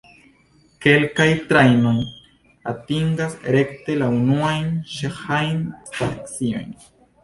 Kelkaj trajnoj atingas rekte la unuajn ĉeĥajn staciojn.